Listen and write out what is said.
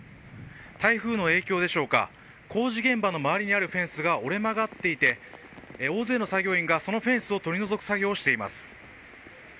台風の影響でしょうか工事現場の周りにあるフェンスが折れ曲がっていて大勢の作業員がそのフェンスを取り除く作業をしています。